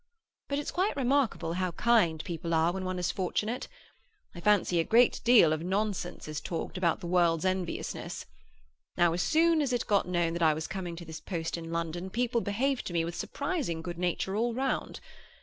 But it's quite remarkable how kind people are when one is fortunate. I fancy a great deal of nonsense is talked about the world's enviousness. Now as soon as it got known that I was coming to this post in London, people behaved to me with surprising good nature all round.